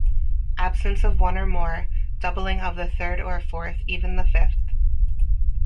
Absence of one or more; doubling of the third or fourth even the fifth.